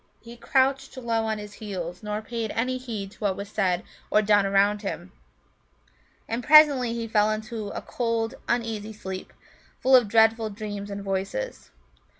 He crouched low on his heels, nor paid any heed to what was said or done around him. And presently he fell into a cold, uneasy sleep, full of dreadful dreams and voices.